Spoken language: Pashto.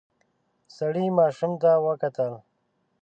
سړی ماشوم ته وکتل.